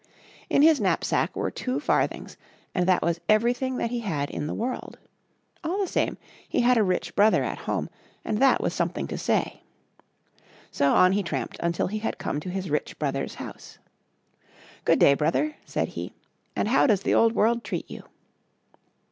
In his knap sack were two farthings, and that was everything that he had in the world. All the same, he had a rich brother at home, and that was something to ' say. So on he tramped until he had come to his rich brother's house. " Good day, brother, said he, " and how does the old world treat you."